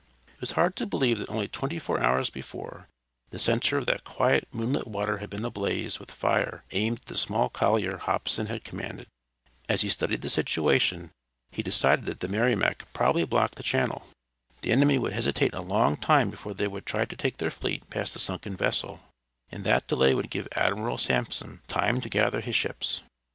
It was hard to believe that only twenty four hours before the center of that quiet moonlit water had been ablaze with fire aimed at the small collier Hobson had commanded. As he studied the situation he decided that the Merrimac probably blocked the channel. The enemy would hesitate a long time before they would try to take their fleet past the sunken vessel, and that delay would give Admiral Sampson time to gather his ships.